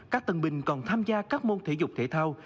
các tân binh còn tham gia các môn thể dục thể thao